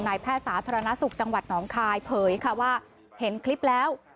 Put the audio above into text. แพทย์สาธารณสุขจังหวัดหนองคายเผยค่ะว่าเห็นคลิปแล้ว